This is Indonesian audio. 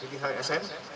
kemudian ada saudara sm